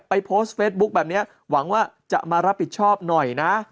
โพสต์เฟซบุ๊คแบบนี้หวังว่าจะมารับผิดชอบหน่อยนะ